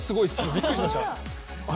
びっくりしました。